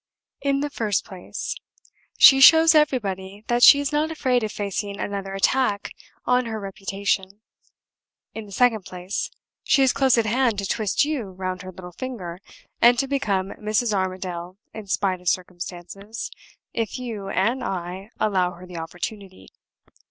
In the first place, she shows everybody that she is not afraid of facing another attack on her reputation. In the second place, she is close at hand to twist you round her little finger, and to become Mrs. Armadale in spite of circumstances, if you (and I) allow her the opportunity.